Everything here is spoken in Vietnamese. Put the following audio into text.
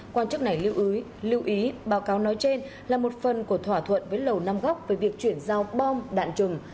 quan chức này lưu ý báo cáo nói trên là một phần của thỏa thuận với lầu năm góc về việc chuyển giao bom đạn trùm